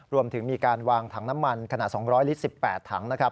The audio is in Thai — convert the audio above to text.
รวมถึงมีการวางถังน้ำมันขนาด๒๐๐ลิตร๑๘ถังนะครับ